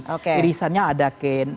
oke irisannya ada ke